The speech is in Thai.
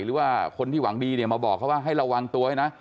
หรือว่าคนที่หวังดีเนี่ยมาบอกเขาว่าให้ระวังตัวให้นะ